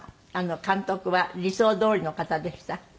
監督は理想どおりの方でした？